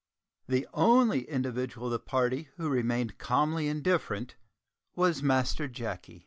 The only individual of the party who remained calmly indifferent was Master Jacky.